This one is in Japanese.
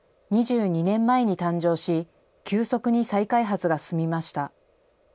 ２２年前に誕生し、急速に再開発が進みました。